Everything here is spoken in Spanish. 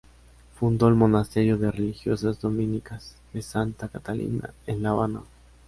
Fundó el monasterio de religiosas dominicas de santa Catalina en La Habana.